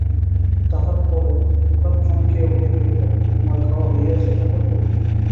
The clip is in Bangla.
তাহার পরে হঠাৎ চমকিয়া উঠিয়া কহিল, তোমার খাওয়া হইয়াছে, ঠাকুরপো?